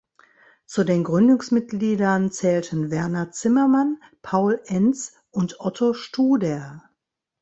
Zu den Gründungsmitgliedern zählten Werner Zimmermann, Paul Enz und Otto Studer.